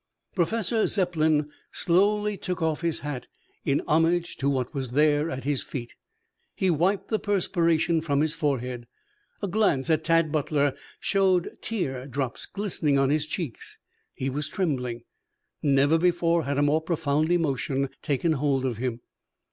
Professor Zepplin slowly took off his hat in homage to what was there at his feet. He wiped the perspiration from his forehead. A glance at Tad Butler showed tear drops glistening on his cheeks. He was trembling. Never before had a more profound emotion taken hold of him.